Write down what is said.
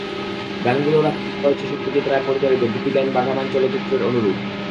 গানগুলোও রাখা হয়েছে সত্যজিৎ রায় পরিচালিত গুপী গাইন বাঘা বাইন চলচ্চিত্রের অনুরূপ।